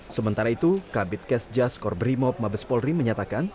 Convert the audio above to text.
sementara itu kabit kes jaskor brimob mabes polri menyatakan